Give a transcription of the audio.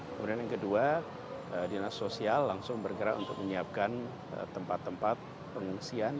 kemudian yang kedua dinas sosial langsung bergerak untuk menyiapkan tempat tempat pengungsian